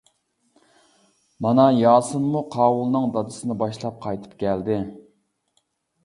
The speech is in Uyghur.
مانا ياسىنمۇ قاۋۇلنىڭ دادىسىنى باشلاپ قايتىپ كەلدى.